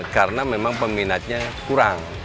karena memang peminatnya kurang